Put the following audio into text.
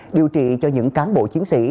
điều trị cho những cán bộ chiến sĩ